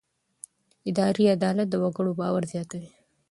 اداري عدالت د وګړو باور زیاتوي.